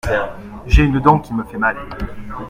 J’ai une dent qui me fait mal.